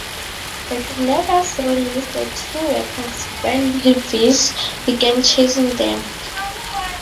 The kidnappers released the two workers when Levies began chasing them.